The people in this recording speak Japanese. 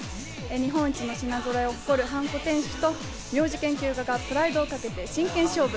日本一の品揃えを誇るハンコ店主と名字研究家がプライドをかけて真剣勝負。